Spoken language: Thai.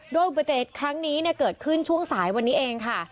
โดยอุบัติเหตุครั้งนี้เกิดขึ้นช่วงสายวันนี้เองค่ะ